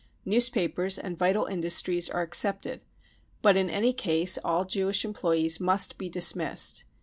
Newspapers and vital industries are excepted, but in any case all Jewish employees must be dismissed.